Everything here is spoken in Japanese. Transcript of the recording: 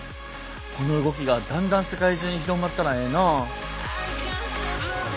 この動きがだんだん世界中に広まったらええな。